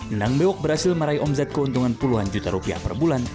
endang bewok berhasil meraih omzet keuntungan puluhan juta rupiah per bulan